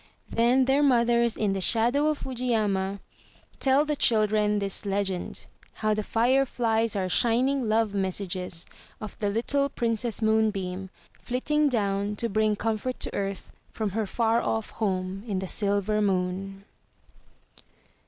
Then their mothers, in the shadow of Fujiyama, tell the children this legend — how the fire flies are shining love messages of the little Princess Moonbeam, flitting down to bring comfort to earth from her far off home in the silver moon.